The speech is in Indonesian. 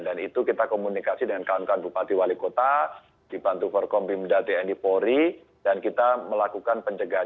dan itu kita komunikasi dengan kalungkan bupati wali kota dibantu forkombimda tni polri dan kita melakukan pencegahan